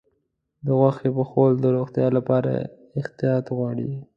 د غوښې پخول د روغتیا لپاره احتیاط غواړي.